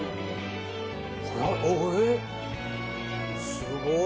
「すごい！」